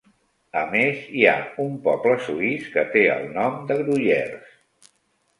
A més hi ha un poble suís que té el nom de Gruyères.